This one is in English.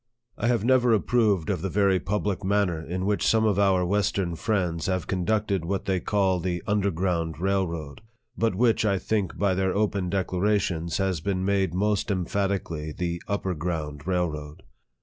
I have never approved of the very public manner in which some of our western friends have conducted what they call the underground railroad, but which, I think, by their open declarations, has been made most emphatically th'e upperground railroad.